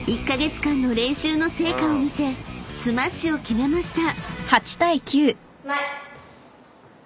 ［１カ月間の練習の成果を見せスマッシュを決めました］